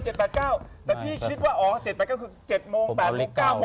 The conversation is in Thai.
แต่พี่คิดว่า๗๘๙คือ๗โมง๘โมง๙โมง